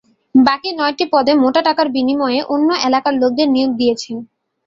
বাকি নয়টি পদে মোটা টাকার বিনিময়ে অন্য এলাকার লোকদের নিয়োগ দিয়েছেন।